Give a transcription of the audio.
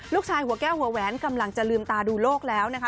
ลูกชายหัวแก้วหัวแว้นกำลังจะลืมตาดูโรคแล้วนะคะ